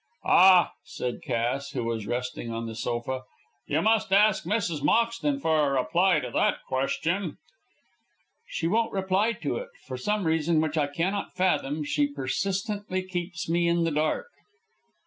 "Ah," said Cass, who was resting on the sofa, "you must ask Mrs. Moxton for a reply to that question." "She won't reply to it. For some reason which I cannot fathom she persistently keeps me in the dark."